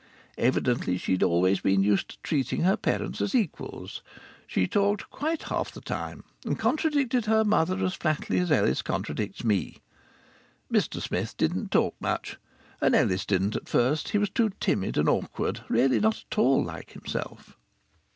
Evidently she had always been used to treating her parents as equals; she talked quite half the time, and contradicted her mother as flatly as Ellis contradicts me. Mr Smith didn't talk much. And Ellis didn't at first he was too timid and awkward really not at all like himself.